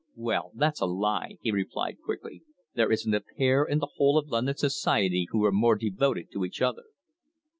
"Well, that's a lie," he replied quickly. "There isn't a pair in the whole of London Society who are more devoted to each other."